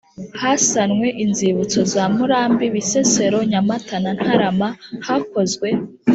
Hasanwe inzibutso za Murambi Bisesero Nyamata na Ntarama hakozwe